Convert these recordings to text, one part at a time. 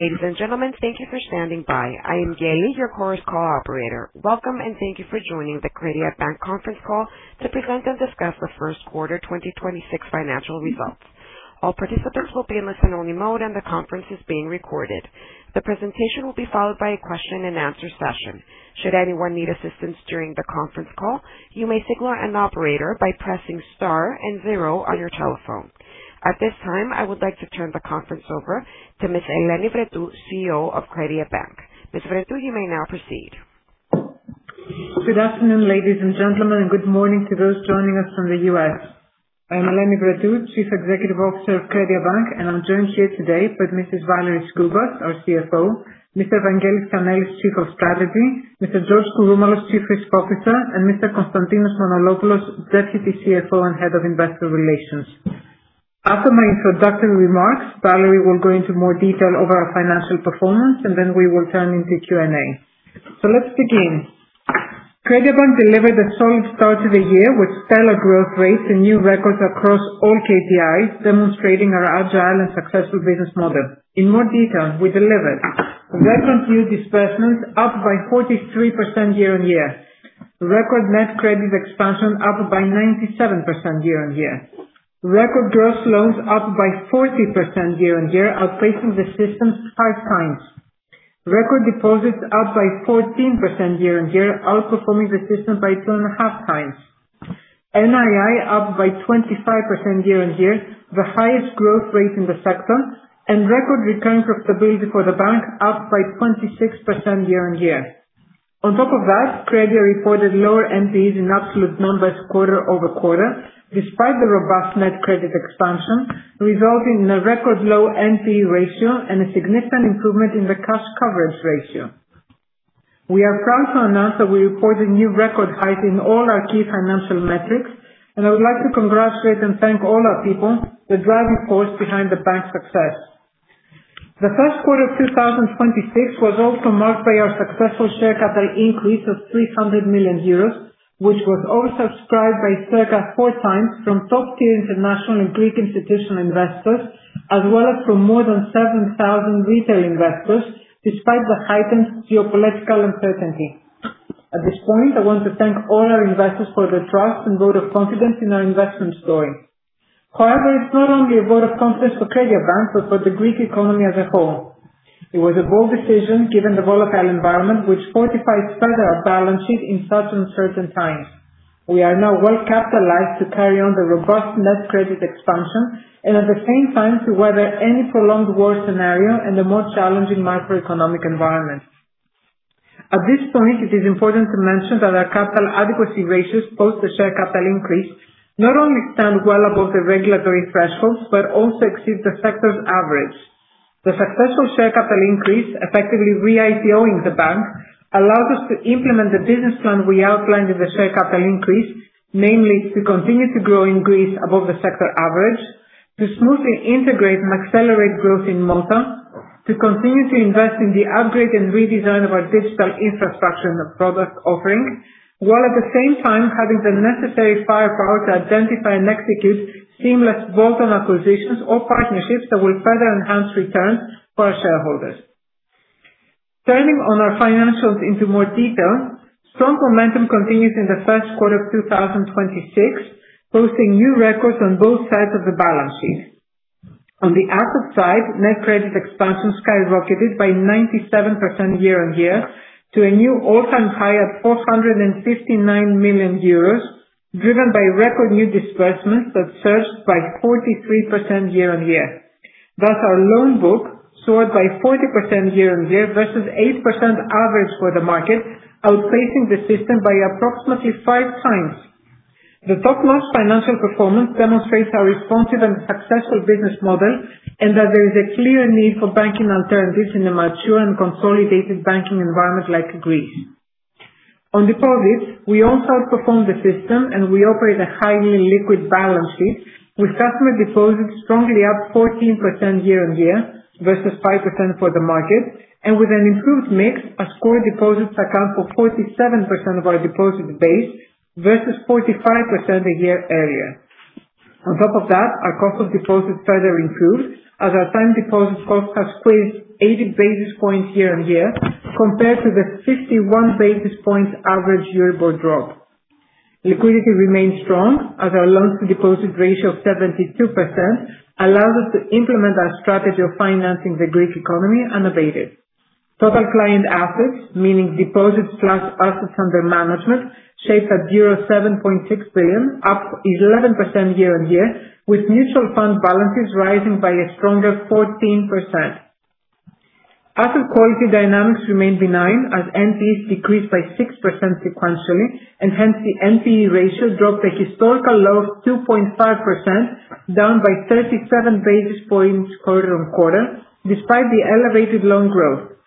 Ladies and gentlemen, thank you for standing by. I am Gail, your Chorus Call operator. Welcome, and thank you for joining the CrediaBank conference call to present and discuss the first quarter 2026 financial results. All participants will be in listen-only mode, and the conference is being recorded. The presentation will be followed by a question-and-answer session. Should anyone need assistance during the conference call, you may signal an operator by pressing star and zero on your telephone. At this time, I would like to turn the conference over to Ms. Eleni Vrettou, CEO of CrediaBank. Ms. Vrettou, you may now proceed. Good afternoon, ladies and gentlemen. Good morning to those joining us from the U.S. I'm Eleni Vrettou, Chief Executive Officer of CrediaBank, and I'm joined here today by Mrs. Valerie Skoubas, our CFO, Mr. Evangelos Kanelis, Chief of Strategy, Mr. George Kouroumalos, Chief Risk Officer, and Mr. Konstantinos Manolopoulos, Deputy CFO and Head of Investor Relations. After my introductory remarks, Valerie will go into more detail over our financial performance, and then we will turn into Q&A. Let's begin. CrediaBank delivered a solid start to the year with stellar growth rates and new records across all KPIs, demonstrating our agile and successful business model. In more detail, we delivered record new disbursements up by 43% year-on-year. Record net credit expansion up by 97% year-on-year. Record gross loans up by 40% year-on-year, outpacing the system 5x. Record deposits up by 14% year-on-year, outperforming the system by 2.5x. NII up by 25% year-on-year, the highest growth rate in the sector. Record recurring profitability for the bank up by 26% year-on-year. On top of that, Credia reported lower NPEs in absolute numbers quarter-over-quarter, despite the robust net credit expansion, resulting in a record low NPE ratio and a significant improvement in the cash coverage ratio. We are proud to announce that we reported new record highs in all our key financial metrics, and I would like to congratulate and thank all our people, the driving force behind the bank's success. The first quarter of 2026 was also marked by our successful share capital increase of 300 million euros, which was oversubscribed by circa four times from top tier international and Greek institutional investors, as well as from more than 7,000 retail investors, despite the heightened geopolitical uncertainty. At this point, I want to thank all our investors for the trust and vote of confidence in our investment story. However, it's not only a vote of confidence for CrediaBank but for the Greek economy as a whole. It was a bold decision, given the volatile environment, which fortifies further our balance sheet in such uncertain times. We are now well capitalized to carry on the robust net credit expansion and at the same time to weather any prolonged war scenario and a more challenging macroeconomic environment. At this point, it is important to mention that our capital adequacy ratios post the share capital increase not only stand well above the regulatory thresholds but also exceed the sector's average. The successful share capital increase, effectively re-IPOing the bank, allows us to implement the business plan we outlined in the share capital increase, namely to continue to grow in Greece above the sector average, to smoothly integrate and accelerate growth in Malta, to continue to invest in the upgrade and redesign of our digital infrastructure and the product offering. While at the same time having the necessary firepower to identify and execute seamless bolt-on acquisitions or partnerships that will further enhance returns for our shareholders. Turning to our financials into more detail. Strong momentum continues in the first quarter of 2026, posting new records on both sides of the balance sheet. On the asset side, net credit expansion skyrocketed by 97% year-on-year to a new all-time high of 459 million euros, driven by record new disbursements that surged by 43% year-on-year. Our loan book soared by 40% year-on-year versus 8% average for the market, outpacing the system by approximately 5x. The top-notch financial performance demonstrates our responsive and successful business model and that there is a clear need for banking alternatives in a mature and consolidated banking environment like Greece. On deposits, we also outperformed the system, and we operate a highly liquid balance sheet, with customer deposits strongly up 14% year-on-year versus 5% for the market, and with an improved mix as core deposits account for 47% of our deposit base versus 45% a year earlier. Our cost of deposits further improved as our time deposit cost has squeezed 80 basis points year-on-year compared to the 51 basis points average year over drop. Liquidity remains strong as our loans-to-deposit ratio of 72% allows us to implement our strategy of financing the Greek economy unabated. Total client assets, meaning deposits plus assets under management, shaped at 7.6 billion, up 11% year-on-year, with mutual fund balances rising by a stronger 14%. Asset quality dynamics remain benign as NPEs decreased by 6% sequentially, hence the NPE ratio dropped a historical low of 2.5%, down by 37 basis points quarter-on-quarter, despite the elevated loan growth.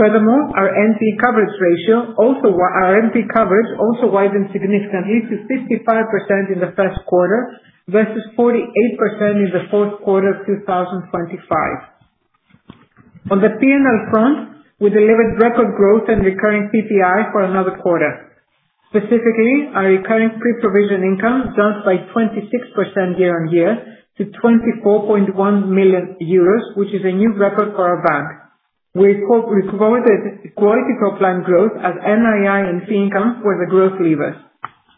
Our NPE coverage also widened significantly to 55% in the first quarter versus 48% in the fourth quarter of 2025. On the P&L front, we delivered record growth and recurring PPI for another quarter. Specifically, our recurring pre-provision income jumped by 26% year-on-year to 24.1 million euros, which is a new record for our bank. We supported quality top-line growth as NII and fee income were the growth levers.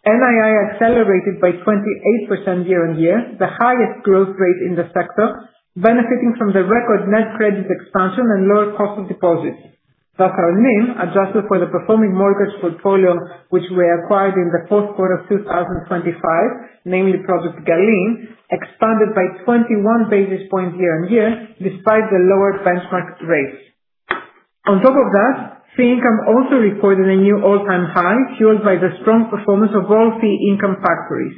NII accelerated by 28% year-on-year, the highest growth rate in the sector, benefiting from the record net credit expansion and lower cost of deposits. Thus, our NIM, adjusted for the performing mortgage portfolio which we acquired in the fourth quarter of 2025, namely Project Galene, expanded by 21 basis points year-on-year, despite the lower benchmark rates. Fee income also reported a new all-time high, fueled by the strong performance of all fee income factories.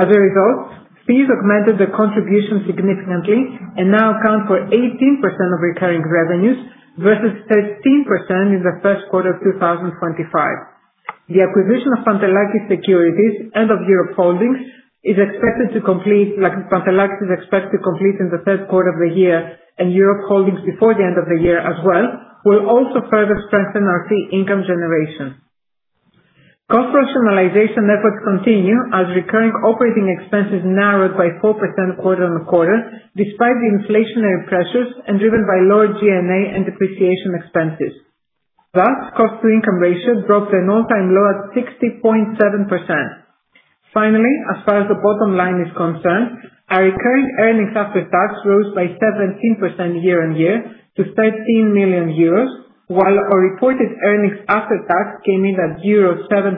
As a result, fees augmented the contribution significantly and now account for 18% of recurring revenues, versus 13% in the first quarter of 2025. The acquisition of Pantelakis Securities and Evropi Holdings is expected to complete, like Pantelakis is expected to complete in the third quarter of the year, and Evropi Holdings before the end of the year as well, will also further strengthen our fee income generation. Cost rationalization efforts continue as recurring operating expenses narrowed by 4% quarter-on-quarter, despite the inflationary pressures and driven by lower G&A and depreciation expenses. Cost to income ratio dropped an all-time low at 60.7%. As far as the bottom line is concerned, our recurring earnings after tax rose by 17% year-on-year to 13 million euros, while our reported earnings after tax came in at euro 7.8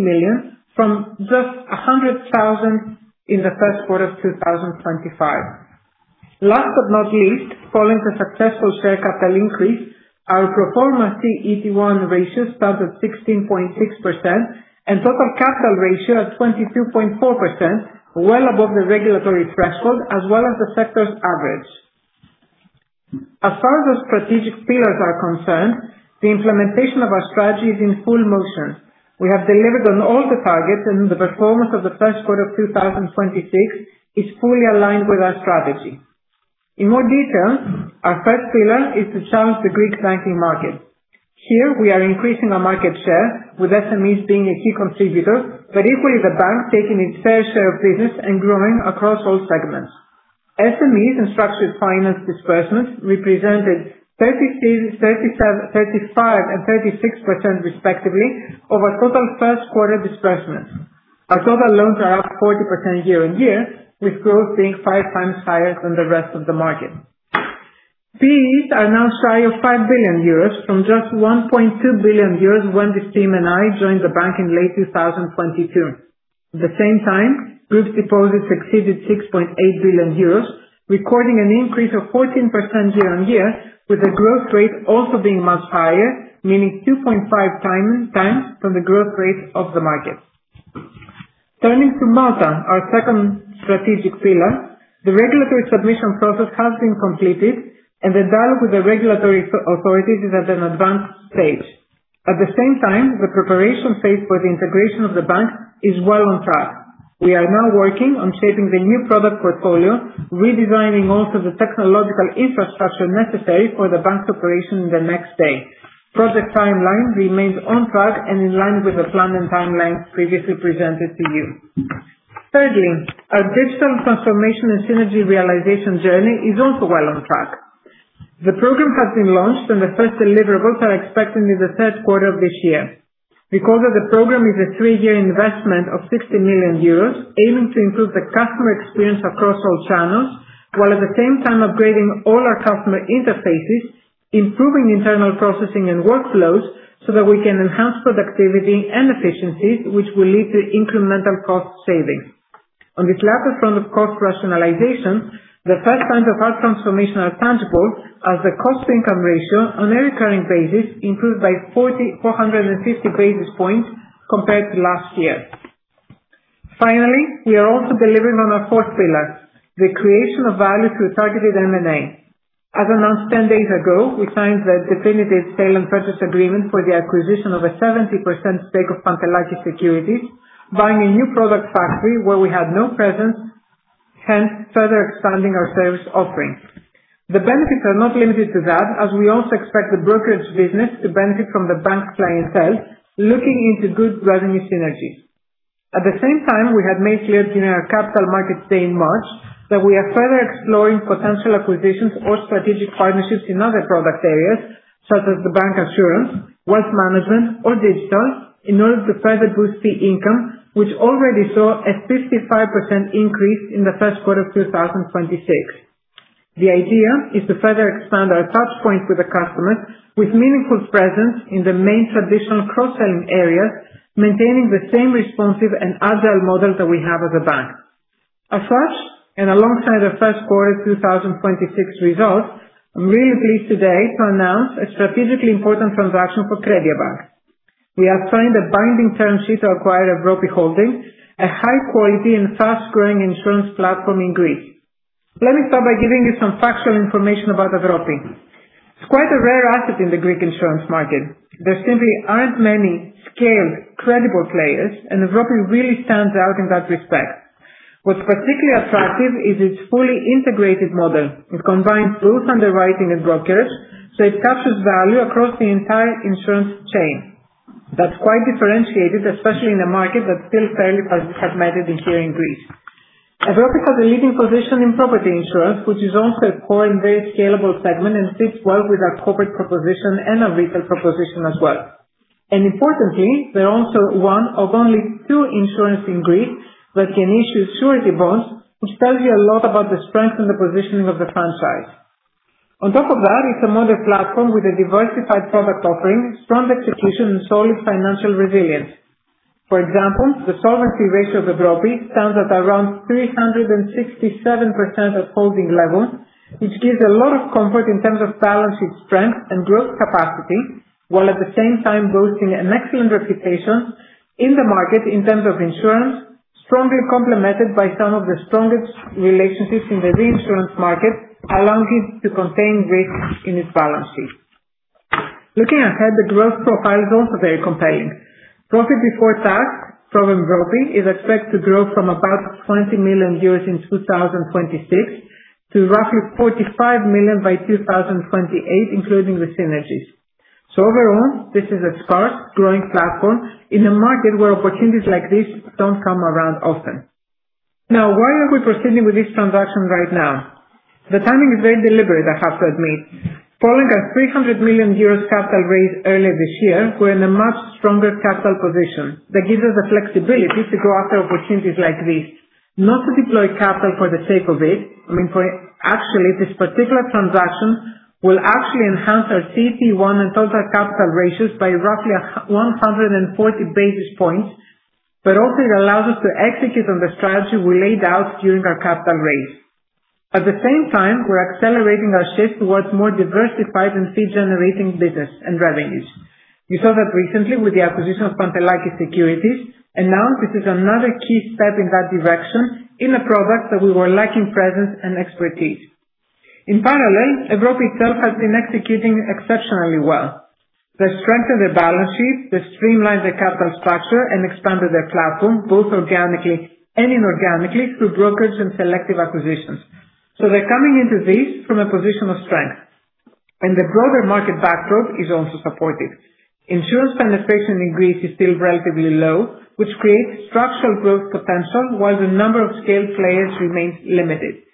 million from just 100,000 in the first quarter of 2025. Last but not least, following the successful share capital increase, our pro forma CET1 ratio stood at 16.6% and total capital ratio at 22.4%, well above the regulatory threshold as well as the sector's average. As far as our strategic pillars are concerned, the implementation of our strategy is in full motion. We have delivered on all the targets and the performance of the first quarter of 2026 is fully aligned with our strategy. In more detail, our first pillar is to challenge the Greek banking market. Here, we are increasing our market share, with SMEs being a key contributor, but equally the bank taking its fair share of business and growing across all segments. SMEs and structured finance disbursements represented 35% and 36% respectively over total first quarter disbursements. Our total loans are up 40% year-on-year, with growth being 5x higher than the rest of the market. NPE are now shy of 5 billion euros from just 1.2 billion euros when the team and I joined the bank in late 2022. Group deposits exceeded 6.8 billion euros, recording an increase of 14% year-on-year, with the growth rate also being much higher, meaning 2.5x from the growth rate of the market. Turning to Malta, our second strategic pillar, the regulatory submission process has been completed and the dialogue with the regulatory authorities is at an advanced stage. The preparation phase for the integration of the bank is well on track. We are now working on shaping the new product portfolio, redesigning also the technological infrastructure necessary for the bank's operation the next day. Project timeline remains on track and in line with the planned timeline previously presented to you. Thirdly, our digital transformation and synergy realization journey is also well on track. The program has been launched and the first deliverables are expected in the third quarter of this year. Because of the program is a three-year investment of 60 million euros aiming to improve the customer experience across all channels, while at the same time upgrading all our customer interfaces, improving internal processing and workflows so that we can enhance productivity and efficiencies, which will lead to incremental cost savings. On this latter front of cost rationalization, the first signs of our transformation are tangible as the cost income ratio on a recurring basis improved by 450 basis points compared to last year. Finally, we are also delivering on our fourth pillar, the creation of value through targeted M&A. As announced 10 days ago, we signed the definitive sale and purchase agreement for the acquisition of a 70% stake of Pantelakis Securities, buying a new product factory where we had no presence, hence further expanding our service offering. The benefits are not limited to that, as we also expect the brokerage business to benefit from the bank's clientele, looking into good revenue synergies. We have made clear in our Capital Markets Day in March that we are further exploring potential acquisitions or strategic partnerships in other product areas such as the bancassurance, wealth management or digital, in order to further boost fee income, which already saw a 55% increase in the first quarter of 2026. The idea is to further expand our touch point with the customer with meaningful presence in the main traditional cross-selling areas, maintaining the same responsive and agile model that we have as a bank. As such, and alongside our first quarter 2026 results, I'm really pleased today to announce a strategically important transaction for CrediaBank. We have signed a binding term sheet to acquire Evropi Holdings, a high-quality and fast-growing insurance platform in Greece. Let me start by giving you some factual information about Evropi. It's quite a rare asset in the Greek insurance market. There simply aren't many scaled, credible players, and Evropi really stands out in that respect. What's particularly attractive is its fully-integrated model. It combines both underwriting and brokers. It captures value across the entire insurance chain. That's quite differentiated, especially in a market that's still fairly fragmented here in Greece. Evropi has a leading position in property insurance, which is also a core and very scalable segment, and fits well with our corporate proposition and our retail proposition as well. Importantly, they're also one of only two insurance in Greece that can issue surety bonds, which tells you a lot about the strength and the positioning of the franchise. On top of that, it's a modern platform with a diversified product offering, strong execution and solid financial resilience. For example, the solvency ratio of Evropi stands at around 367% of holding level, which gives a lot of comfort in terms of balance sheet strength and growth capacity, while at the same time boasting an excellent reputation in the market in terms of insurance, strongly complemented by some of the strongest relationships in the reinsurance market, allowing it to contain risk in its balance sheet. Looking ahead, the growth profile is also very compelling. Profit before tax from Evropi is expected to grow from about 20 million euros in 2026 to roughly 45 million by 2028, including the synergies. Overall, this is a sparse growing platform in a market where opportunities like this don't come around often. Why are we proceeding with this transaction right now? The timing is very deliberate, I have to admit. Following our 300 million euros capital raise earlier this year, we're in a much stronger capital position. That gives us the flexibility to go after opportunities like this, not to deploy capital for the sake of it. Actually, this particular transaction will actually enhance our CET1 and total capital ratios by roughly 140 basis points. Also it allows us to execute on the strategy we laid out during our capital raise. At the same time, we're accelerating our shift towards more diversified and fee-generating business and revenues. You saw that recently with the acquisition of Pantelakis Securities. Now this is another key step in that direction in a product that we were lacking presence and expertise. In parallel, Evropi itself has been executing exceptionally well. They strengthened their balance sheet. They streamlined their capital structure and expanded their platform both organically and inorganically, through brokers and selective acquisitions. They're coming into this from a position of strength. The broader market backdrop is also supportive. Insurance penetration in Greece is still relatively low, which creates structural growth potential, while the number of scaled players remains limited.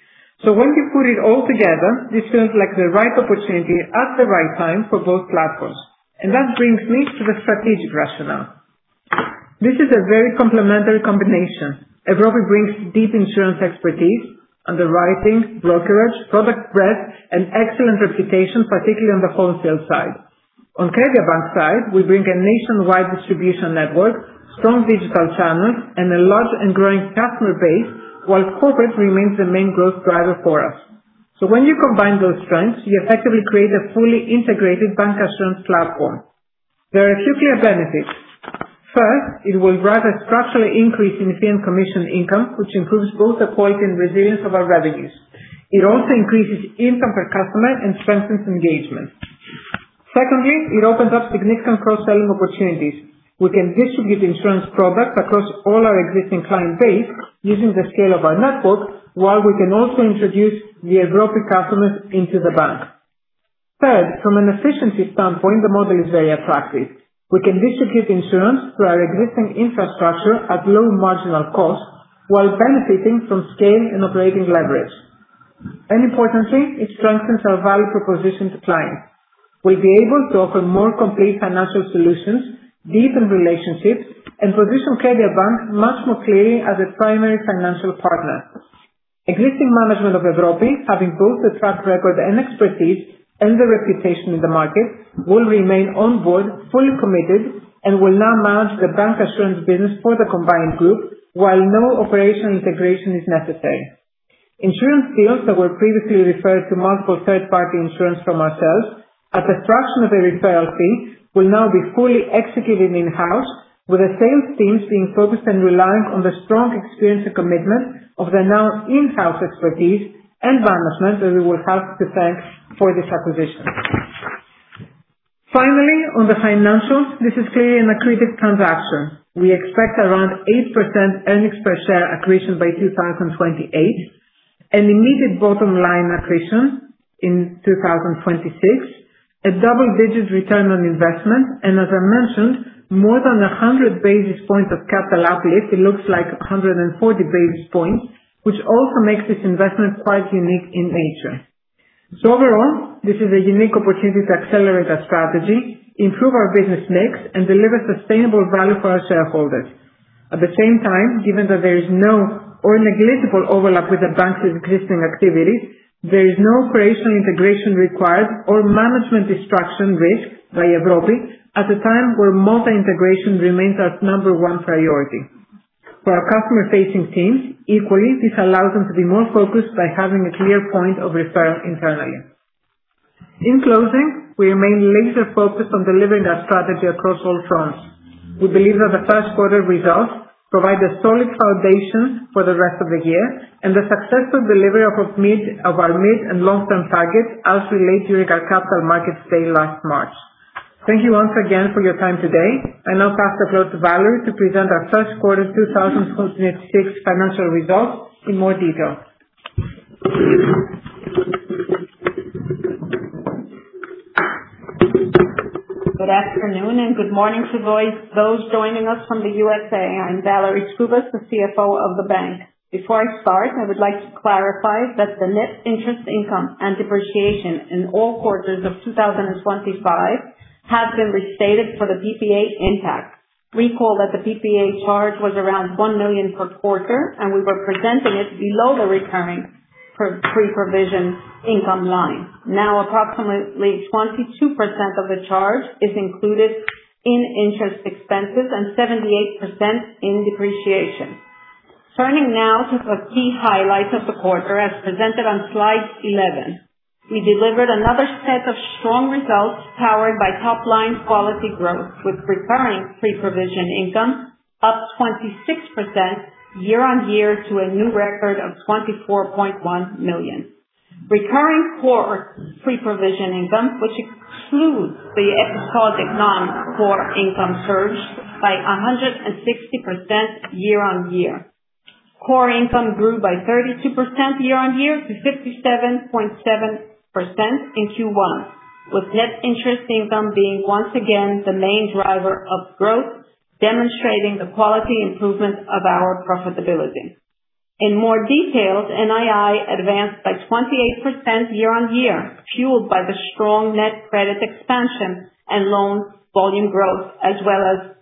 When you put it all together, this feels like the right opportunity at the right time for both platforms. That brings me to the strategic rationale. This is a very complementary combination. Evropi brings deep insurance expertise, underwriting, brokerage, product breadth, and excellent reputation, particularly on the wholesale side. On CrediaBank's side, we bring a nationwide distribution network, strong digital channels, and a large and growing customer base, while corporate remains the main growth driver for us. When you combine those strengths, you effectively create a fully integrated bancassurance platform. There are two clear benefits. First, it will drive a structural increase in fee and commission income, which improves both the quality and resilience of our revenues. It also increases income per customer and strengthens engagement. Secondly, it opens up significant cross-selling opportunities. We can distribute insurance products across all our existing client base using the scale of our network, while we can also introduce new Evropi customers into the bank. Third, from an efficiency standpoint, the model is very attractive. We can distribute insurance through our existing infrastructure at low marginal cost while benefiting from scale and operating leverage. Importantly, it strengthens our value proposition to clients. We'll be able to offer more complete financial solutions, deepen relationships, and position CrediaBank much more clearly as a primary financial partner. Existing management of Evropi, having both a track record and expertise and the reputation in the market, will remain on board, fully committed, and will now manage the bancassurance business for the combined group while no operational integration is necessary. Insurance deals that were previously referred to multiple third-party insurance from ourselves at a fraction of a referral fee will now be fully executed in-house, with the same teams being focused and reliant on the strong experience and commitment of the now in-house expertise and management that we will have to thank for this acquisition. Finally, on the financials, this is clearly an accretive transaction. We expect around 8% earnings per share accretion by 2028, an immediate bottom line accretion in 2026, a double-digit return on investment, and as I mentioned, more than 100 basis points of capital uplift. It looks like 140 basis points, which also makes this investment quite unique in nature. Overall, this is a unique opportunity to accelerate our strategy, improve our business mix, and deliver sustainable value for our shareholders. At the same time, given that there is no or negligible overlap with the bank's existing activity, there is no operational integration required or management distraction risk by Evropi at a time where Malta integration remains our number one priority. For our customer facing teams, equally, this allows them to be more focused by having a clear point of referral internally. In closing, we remain laser focused on delivering our strategy across all fronts. We believe that the first quarter results provide a solid foundation for the rest of the year and the successful delivery of our mid and long-term targets as relayed during our Capital Markets Day last March. Thank you once again for your time today. I now pass the floor to Valerie to present our first quarter 2026 financial results in more detail. Good afternoon and good morning to those joining us from the U.S.A. I'm Valerie Skoubas, the CFO of the bank. Before I start, I would like to clarify that the net interest income and depreciation in all quarters of 2025 have been restated for the PPA impact. Recall that the PPA charge was around 1 million per quarter. We were presenting it below the recurring pre-provision income line. Now approximately 22% of the charge is included in interest expenses and 78% in depreciation. Turning now to the key highlights of the quarter as presented on slide 11. We delivered another set of strong results powered by top-line quality growth with recurring pre-provision income up 26% year-on-year to a new record of 24.1 million. Recurring core pre-provision income, which excludes the episodic non-core income, surged by 160% year-on-year. Core income grew by 32% year-on-year to 57.7% in Q1, with net interest income being once again the main driver of growth, demonstrating the quality improvement of our profitability. In more details, NII advanced by 28% year-on-year, fueled by the strong net credit expansion and loan volume growth, as well as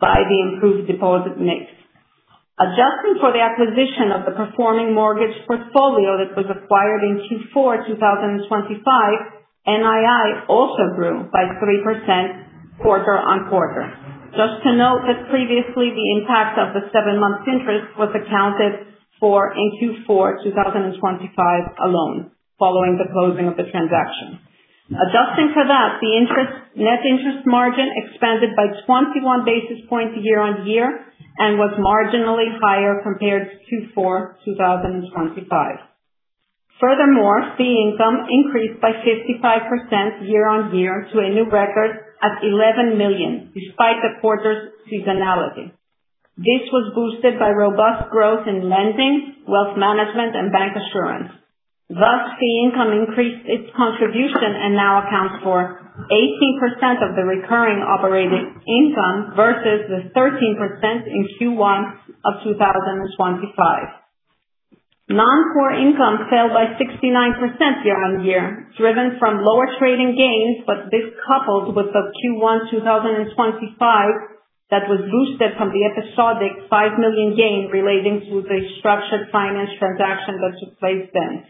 by the improved deposit mix. Adjusting for the acquisition of the performing mortgage portfolio that was acquired in Q4 2025, NII also grew by 3% quarter-on-quarter. Just to note that previously, the impact of the seven months interest was accounted for in Q4 2025 alone, following the closing of the transaction. Adjusting for that, the net interest margin expanded by 21 basis points year-on-year and was marginally higher compared to Q4 2025. Furthermore, fee income increased by 55% year-on-year to a new record at 11 million, despite the quarter's seasonality. This was boosted by robust growth in lending, wealth management and bancassurance. Thus, fee income increased its contribution and now accounts for 18% of the recurring operating income versus the 13% in Q1 of 2025. Non-core income fell by 69% year-on-year, driven from lower trading gains, but this coupled with the Q1 2025 that was boosted from the episodic 5 million gain relating to the structured finance transaction that took place then.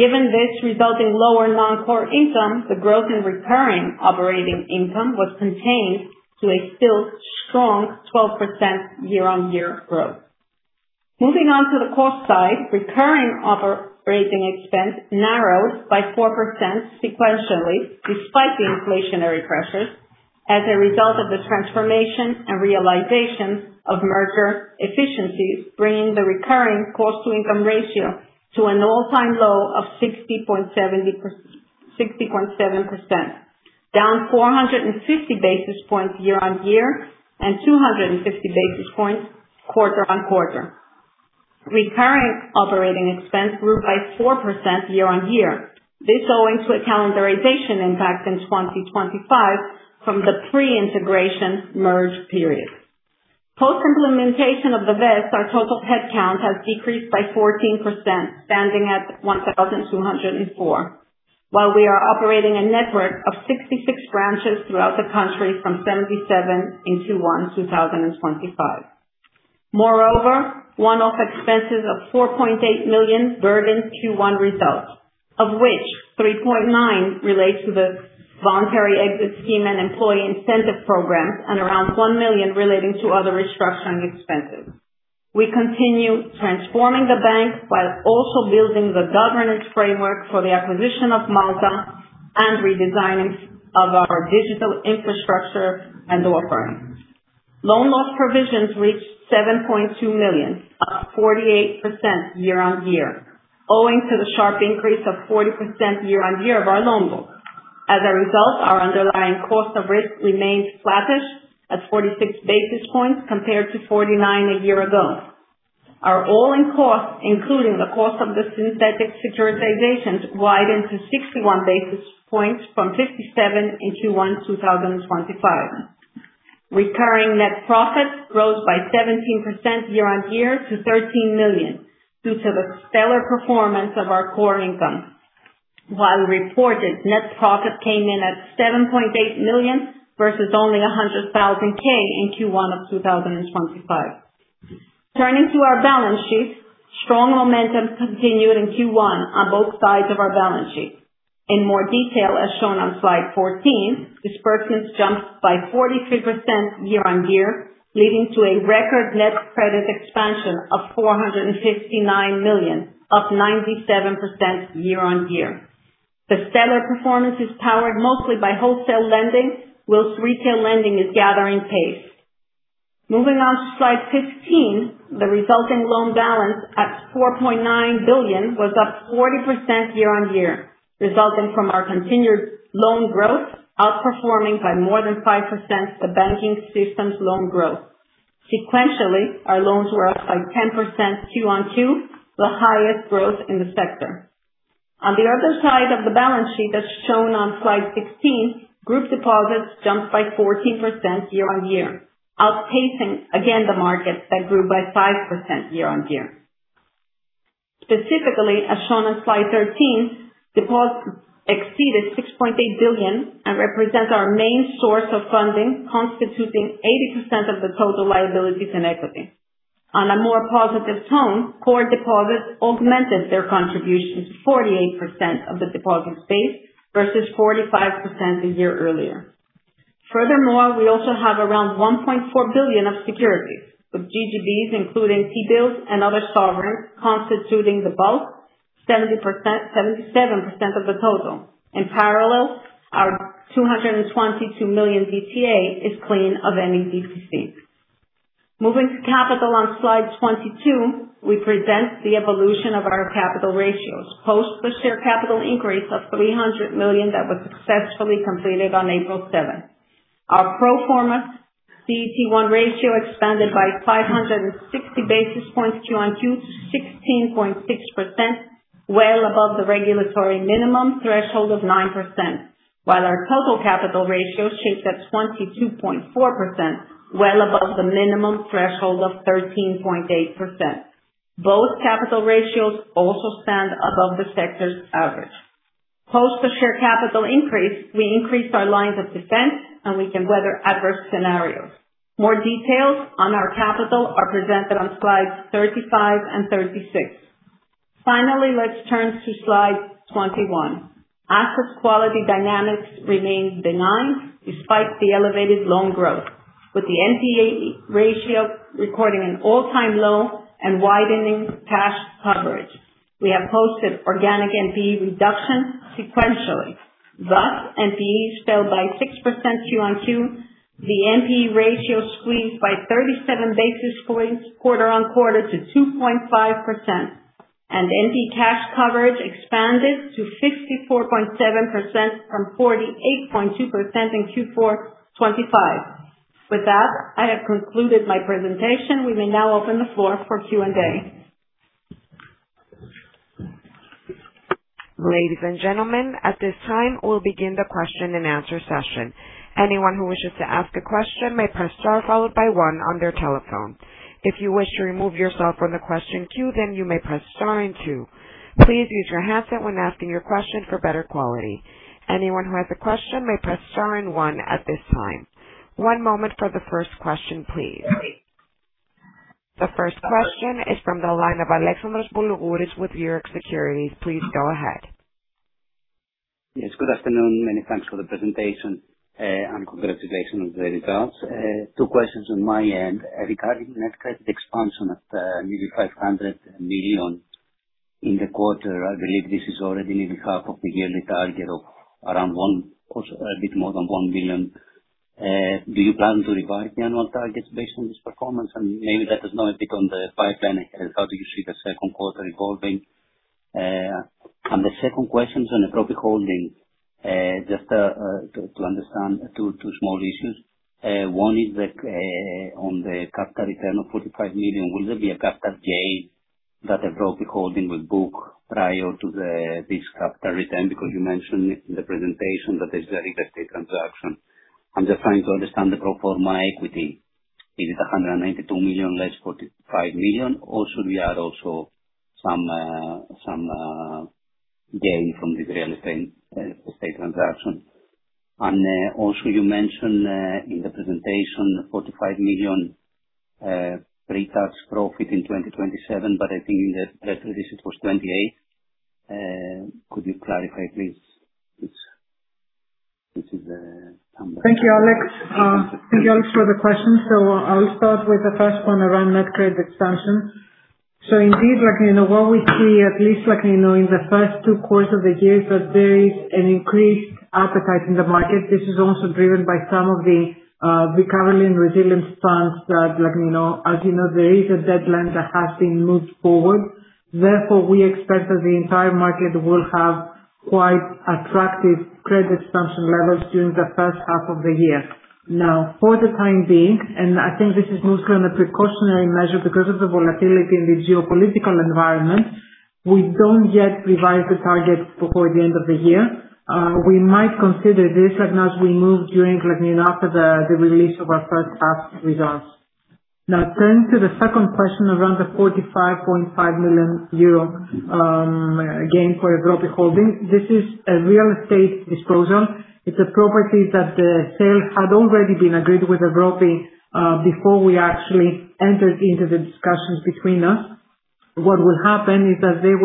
Given this resulting lower non-core income, the growth in recurring operating income was contained to a still strong 12% year-on-year growth. Moving on to the cost side, recurring operating expense narrowed by 4% sequentially despite the inflationary pressures, as a result of the transformation and realization of merger efficiencies, bringing the recurring cost to income ratio to an all-time low of 60.7%, down 450 basis points year-on-year and 250 basis points quarter-on-quarter. Recurring operating expense grew by 4% year-on-year. This owing to a calendarization impact in 2025 from the pre-integration merge period. Post-implementation of the VES, our total head count has decreased by 14%, standing at 1,204. While we are operating a network of 66 branches throughout the country from 77 in Q1 2025. Moreover, one-off expenses of 4.8 million burdened Q1 results, of which 3.9 relates to the voluntary exit scheme and employee incentive programs, and around 1 million relating to other restructuring expenses. We continue transforming the bank while also building the governance framework for the acquisition of Malta and redesigning of our digital infrastructure and offering. Loan loss provisions reached 7.2 million, up 48% year-on-year, owing to the sharp increase of 40% year-on-year of our loan book. As a result, our underlying cost of risk remains flattish at 46 basis points compared to 49 basis points a year ago. Our all-in cost, including the cost of the synthetic securitizations, widened to 61 basis points from 57 basis points in Q1 2025. Recurring net profit rose by 17% year-on-year to 13 million, due to the stellar performance of our core income, while reported net profit came in at 7.8 million versus only 100,000 in Q1 of 2025. Turning to our balance sheet, strong momentum continued in Q1 on both sides of our balance sheet. In more detail, as shown on slide 14, disbursements jumped by 43% year-on-year, leading to a record net credit expansion of 459 million, up 97% year-on-year. The stellar performance is powered mostly by wholesale lending, while retail lending is gathering pace. Moving on to slide 15, the resulting loan balance at 4.9 billion was up 40% year-on-year, resulting from our continued loan growth outperforming by more than 5% the banking system's loan growth. Sequentially, our loans were up by 10% Q-on-Q, the highest growth in the sector. On the other side of the balance sheet that's shown on slide 16, group deposits jumped by 14% year-on-year, outpacing again the market that grew by 5% year-on-year. Specifically, as shown on slide 13, deposits exceeded 6.8 billion and represent our main source of funding, constituting 80% of the total liabilities and equity. On a more positive tone, core deposits augmented their contribution to 48% of the deposit base versus 45% a year earlier. Furthermore, we also have around 1.4 billion of securities, with GGBs, including T-bills and other sovereigns constituting the bulk, 77% of the total. In parallel, our 222 million DTA is clean of any DTC. Moving to capital on slide 22, we present the evolution of our capital ratios. Post the share capital increase of 300 million that was successfully completed on April 7, our pro forma CET1 ratio expanded by 560 basis points Q-on-Q to 16.6%, well above the regulatory minimum threshold of 9%, while our total capital ratio sits at 22.4%, well above the minimum threshold of 13.8%. Both capital ratios also stand above the sector's average. Post the share capital increase, we increased our lines of defense, and we can weather adverse scenarios. More details on our capital are presented on slides 35 and 36. Finally, let's turn to slide 21. Asset quality dynamics remained benign despite the elevated loan growth, with the NPE ratio recording an all-time low and widening cash coverage. We have posted organic NPE reduction sequentially. Thus, NPEs fell by 6% Q-on-Q, the NPE ratio squeezed by 37 basis points quarter-on-quarter to 2.5%, and NPE cash coverage expanded to 64.7% from 48.2% in Q4 25. With that, I have concluded my presentation. We may now open the floor for Q&A. Ladies and gentlemen, at this time, we'll begin the question-and-answer session. Anyone who wishes to ask a question may press star followed by one on their telephone. If you wish to remove yourself from the question queue, then you may press star and two. Please use your headset when asking your question for better quality. Anyone who has a question may press star and one at this time. One moment for the first question, please. The first question is from the line of Alexandros Boulougouris with Euroxx Securities. Please go ahead. Yes, good afternoon. Many thanks for the presentation and congratulations on the results. Two questions on my end. Regarding net credit expansion of nearly 500 million in the quarter, I believe this is already nearly half of the yearly target of a bit more than 1 billion. Do you plan to revise the annual targets based on this performance? Maybe let us know a bit on the pipeline and how do you see the second quarter evolving? The second question is on the Evropi Holdings. Just to understand two small issues. One is on the capital return of 45 million. Will there be a capital gain that a Evropi Holdings will book prior to this capital return? You mentioned in the presentation that it's a real estate transaction. I'm just trying to understand the pro forma equity. Is it 192 million less 45 million, or should we add also some gain from the real estate transaction? Also you mentioned, in the presentation, 45 million pre-tax profit in 2027, but I think in the presentation it was 2028. Could you clarify please, which is the number? Thank you, Alex, for the questions. I'll start with the first one around net credit expansion. Indeed, what we see, at least in the first two quarters of the year, is that there is an increased appetite in the market. This is also driven by some of the recovery and resilience funds that, as you know, there is a deadline that has been moved forward. Therefore, we expect that the entire market will have quite attractive credit expansion levels during the first half of the year. For the time being, and I think this is mostly on a precautionary measure because of the volatility in the geopolitical environment, we don't yet revise the target before the end of the year. We might consider this as we move during and after the release of our first half results. Now, turning to the second question around the 45.5 million euro gain for Evropi Holdings, this is a real estate disclosure. It's a property that the sale had already been agreed with Evropi before we actually entered into the discussions between us. What will happen is that they're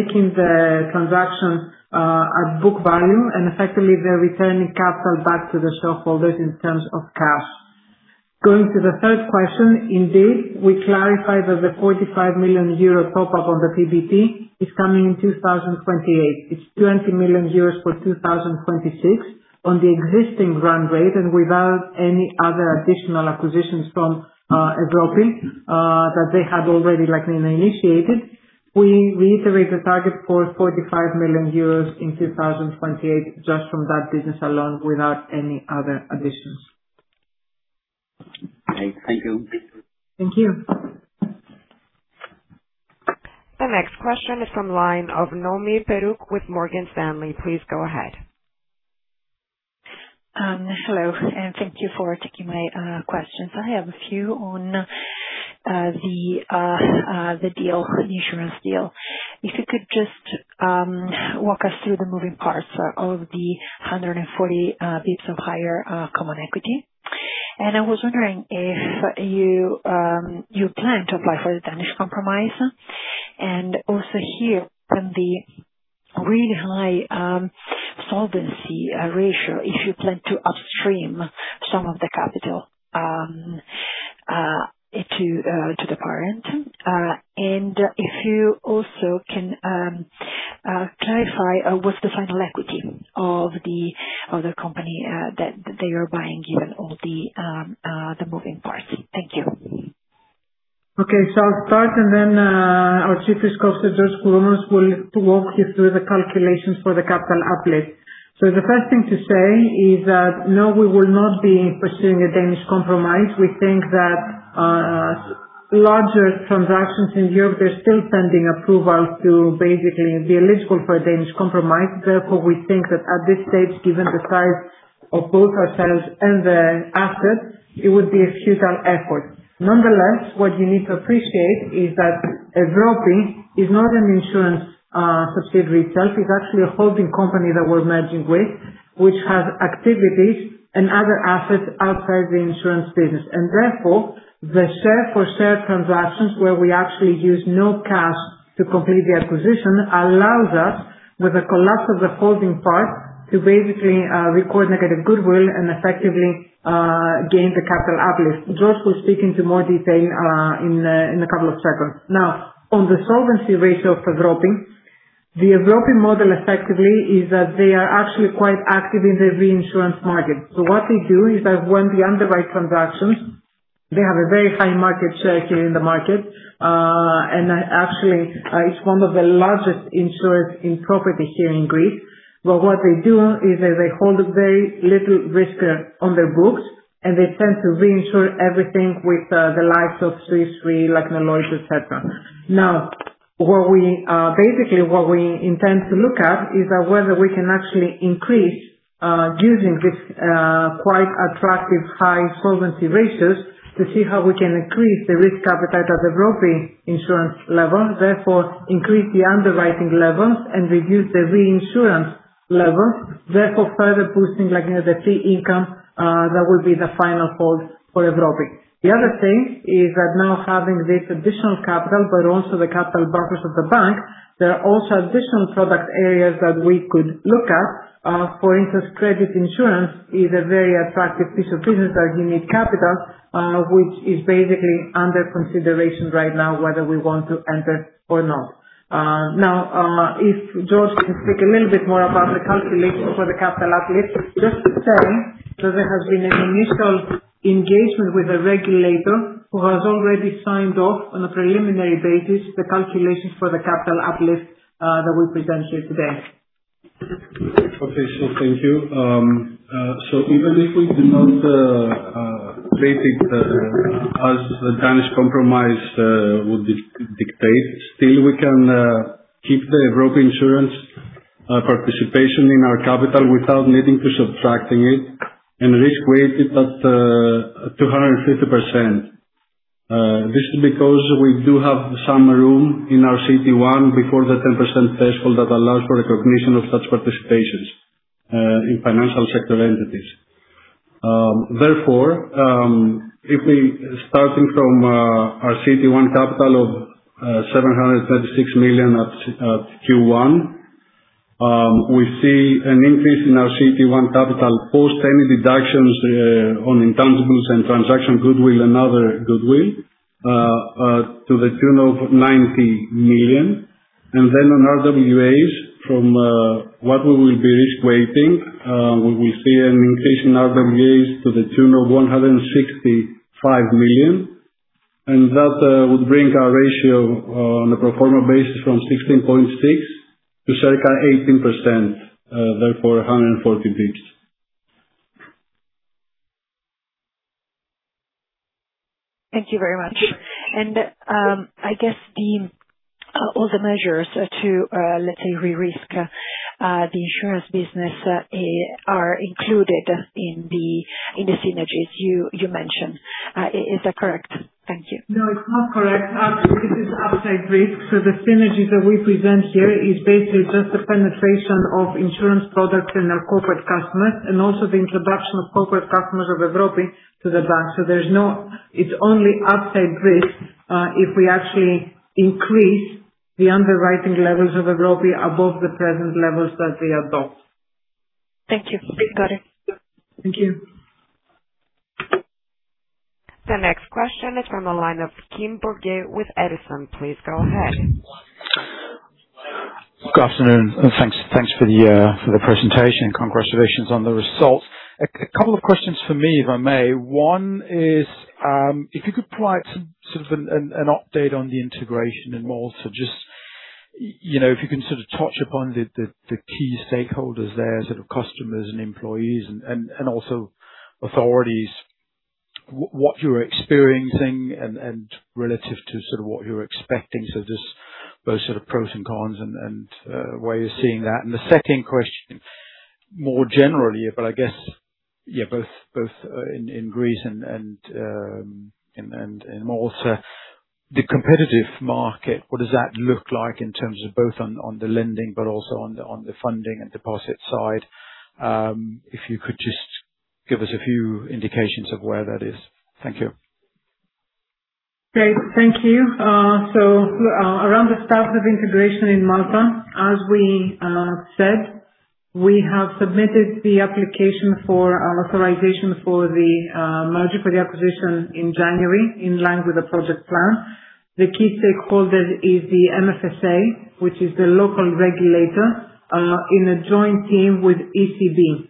making the transaction at book value, and effectively, they're returning capital back to the shareholders in terms of cash. Going to the third question. Indeed, we clarify that the 45 million euro top-up on the PBT is coming in 2028. It's 20 million euros for 2026 on the existing run-rate and without any other additional acquisitions from Evropi, that they had already initiated. We reiterate the target for 45 million euros in 2028 just from that business alone, without any other additions. Okay, thank you. Thank you. The next question is from the line of Noemi Peruch with Morgan Stanley. Please go ahead. Hello, and thank you for taking my questions. I have a few on the insurance deal. If you could just walk us through the moving parts of the 140 basis points of higher common equity. I was wondering if you plan to apply for the Danish compromise, and also here from the really high solvency ratio, if you plan to upstream some of the capital to the parent. If you also can clarify what's the final equity of the company that they are buying, given all the moving parts. Thank you. Okay. I'll start and then our Chief Risk Officer, George Kouroumalos, will walk you through the calculations for the capital uplift. The first thing to say is that, no, we will not be pursuing a Danish compromise. We think that larger transactions in Evropi, they are still pending approval to basically be eligible for a Danish compromise. We think that at this stage, given the size of both ourselves and the assets, it would be a futile effort. What you need to appreciate is that Evropi is not an insurance subsidiary itself. It is actually a holding company that we are merging with, which has activities and other assets outside the insurance business. The share-for-share transactions where we actually use no cash to complete the acquisition allows us, with the collapse of the holding part, to basically record negative goodwill and effectively gain the capital uplift. George will speak into more detail in a couple of seconds. On the solvency ratio for Evropi. The Evropi model effectively is that they are actually quite active in the reinsurance market. What they do is that when they underwrite transactions, they have a very high market share here in the market. Actually, it's one of the largest insurers in property here in Greece. What they do is that they hold very little risk on their books, and they tend to reinsure everything with the likes of Swiss Re, like Deloitte, et cetera. Basically what we intend to look at is whether we can actually increase, using this quite attractive high solvency ratios, to see how we can increase the risk appetite of Evropi insurance level, therefore increase the underwriting levels and reduce the reinsurance level, therefore further boosting the fee income that will be the final hold for Evropi. The other thing is that now having this additional capital, but also the capital buffers of the bank, there are also additional product areas that we could look at. For instance, credit insurance is a very attractive piece of business that you need capital, which is basically under consideration right now, whether we want to enter or not. If George can speak a little bit more about the calculation for the capital uplift. Just to say that there has been an initial engagement with the regulator who has already signed off on a preliminary basis the calculations for the capital uplift that we present here today. Okay, thank you. Even if we do not treat it as the Danish compromise would dictate, still we can keep the Evropi insurance participation in our capital without needing to subtracting it and risk weight it at 250%. This is because we do have some room in our CET1 before the 10% threshold that allows for recognition of such participations in financial sector entities. If we starting from our CET1 capital of 736 million at Q1, we see an increase in our CET1 capital post any deductions on intangibles and transaction goodwill and other goodwill to the tune of 90 million. On RWAs from what we will be risk weighting, we will see an increase in RWAs to the tune of 165 million, and that would bring our ratio on a pro forma basis from 16.6% to circa 18%, therefore 140 basis points. Thank you very much. I guess all the measures to, let's say, re-risk the insurance business, are included in the synergies you mentioned. Is that correct? Thank you. No, it's not correct. Actually, this is upside risk. The synergy that we present here is basically just the penetration of insurance products in our corporate customers and also the introduction of corporate customers of Evropi to the bank. It's only upside risk, if we actually increase the underwriting levels of Evropi above the present levels that we adopt. Thank you. Got it. Thank you. The next question is from the line of [Kim Bourguet] with Edison. Please go ahead. Good afternoon, thanks for the presentation. Congratulations on the results. A couple of questions from me, if I may. One is, if you could provide an update on the integration in Malta, if you can touch upon the key stakeholders there, customers and employees, and also authorities, what you're experiencing and relative to what you're expecting. Those pros and cons and where you're seeing that. The second question, more generally, but I guess both in Greece and Malta, the competitive market, what does that look like in terms of both on the lending but also on the funding and deposit side? If you could just give us a few indications of where that is. Thank you. Great. Thank you. Around the status of integration in Malta, as we said, we have submitted the application for our authorization for the merger, for the acquisition in January, in line with the project plan. The key stakeholder is the MFSA, which is the local regulator, in a joint team with ECB.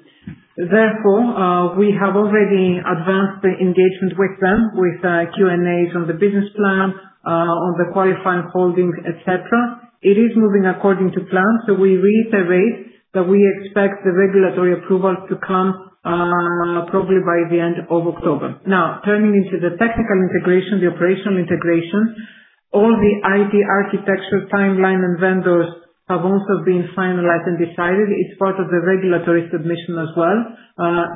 We have already advanced the engagement with them with Q&As on the business plan, on the qualifying holdings, et cetera. It is moving according to plan. We reiterate that we expect the regulatory approval to come probably by the end of October. Turning into the technical integration, the operational integration, all the IT architecture timeline and vendors have also been finalized and decided. It's part of the regulatory submission as well.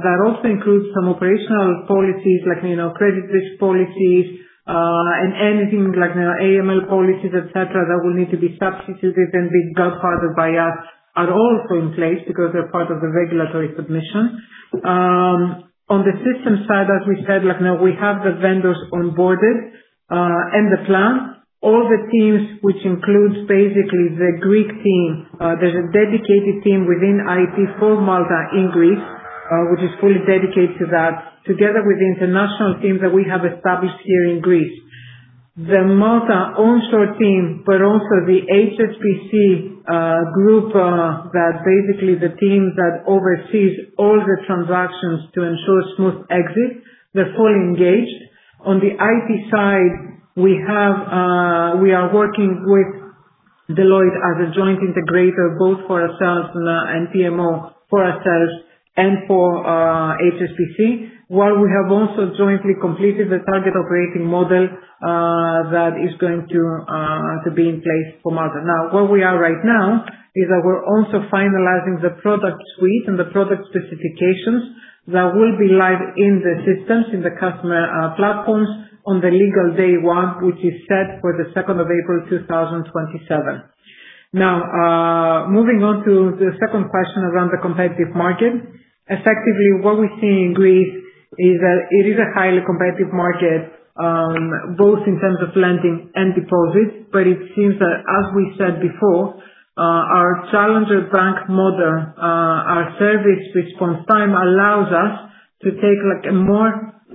That also includes some operational policies like credit risk policies, and anything like AML policies, et cetera, that will need to be substituted and be done further by us are also in place because they're part of the regulatory submission. On the system side, as we said, we have the vendors onboarded, and the plan. All the teams, which includes basically the Greek team, there's a dedicated team within IT for Malta in Greece, which is fully dedicated to that, together with the international team that we have established here in Greece. The Malta onshore team, but also the HSBC group, that's basically the team that oversees all the transactions to ensure smooth exit. They're fully engaged. On the IT side, we are working with Deloitte as a joint integrator, both for ourselves and TMO, for ourselves and for HSBC, while we have also jointly completed the target operating model that is going to be in place for Malta. Now, where we are right now is that we're also finalizing the product suite and the product specifications that will be live in the systems, in the customer platforms on the legal day one, which is set for the 2nd of April, 2027. Now, moving on to the second question around the competitive market. Effectively, what we see in Greece is that it is a highly competitive market, both in terms of lending and deposits. It seems that, as we said before, our challenger bank model, our service response time allows us to take a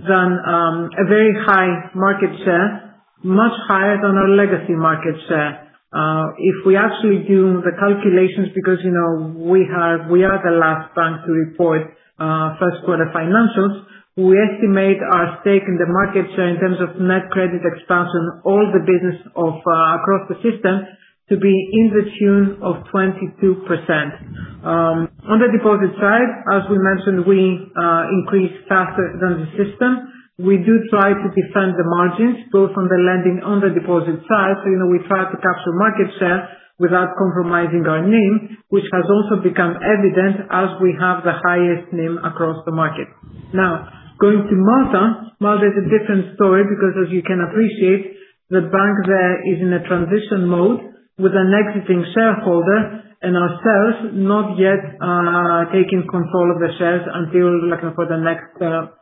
very high market share, much higher than our legacy market share. If we actually do the calculations, because we are the last bank to report first quarter financials, we estimate our stake in the market share in terms of net credit expansion, all the business across the system, to be in the tune of 22%. On the deposit side, as we mentioned, we increased faster than the system. We do try to defend the margins, both on the lending on the deposit side. We try to capture market share without compromising our NIM, which has also become evident as we have the highest NIM across the market. Going to Malta is a different story because as you can appreciate, the bank there is in a transition mode with an exiting shareholder and ourselves not yet taking control of the shares until for the next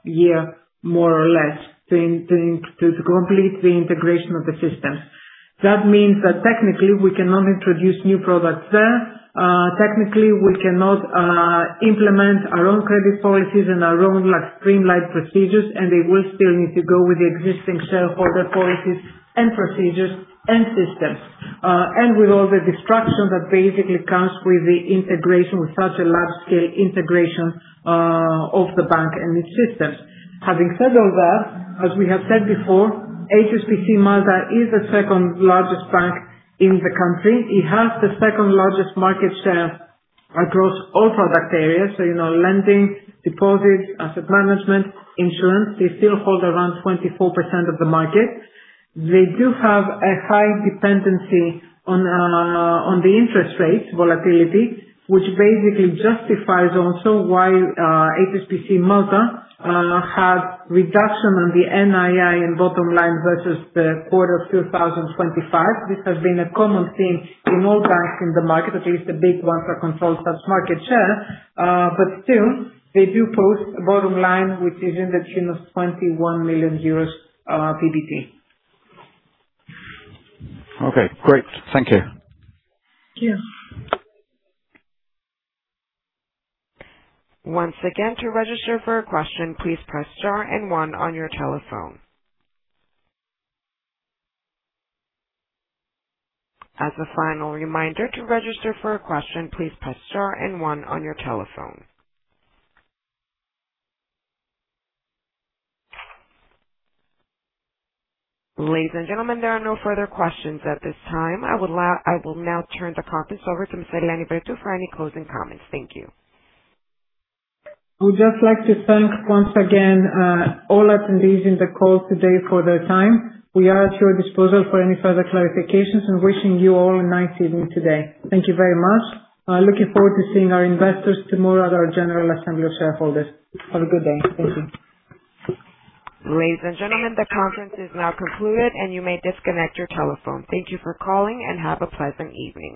year, more or less, to complete the integration of the systems. That means that technically, we cannot introduce new products there. Technically, we cannot implement our own credit policies and our own streamlined procedures. They will still need to go with the existing shareholder policies and procedures and systems. With all the disruption that basically comes with the integration, with such a large scale integration of the bank and its systems. Having said all that, as we have said before, HSBC Malta is the second largest bank in the country. It has the second largest market share across all product areas. Lending, deposits, asset management, insurance. They still hold around 24% of the market. They do have a high dependency on the interest rate volatility, which basically justifies also why HSBC Malta had reduction on the NII and bottom line versus the quarter of 2025. This has been a common theme in all banks in the market, at least the big ones that control such market share. Still, they do post a bottom line which is in the tune of 21 million euros PBT. Okay, great. Thank you. Thank you. Ladies and gentlemen, there are no further questions at this time. I will now turn the conference over to Eleni Vrettou for any closing comments. Thank you. I would just like to thank once again all attendees in the call today for their time. We are at your disposal for any further clarifications and wishing you all a nice evening today. Thank you very much. Looking forward to seeing our investors tomorrow at our General Assembly of Shareholders. Have a good day. Thank you. Ladies and gentlemen, the conference is now concluded and you may disconnect your telephone. Thank you for calling and have a pleasant evening.